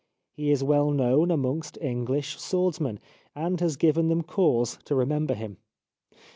He is well known amongst English swordsmen, and has given them cause to remember him.